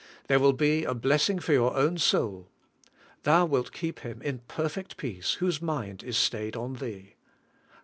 There will be a blessing for your own soul. "Thou wilt keep him in perfect peace whose mind is stayed on Thee."